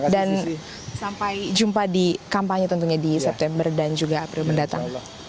dan sampai jumpa di kampanye tentunya di september dan juga april mendatang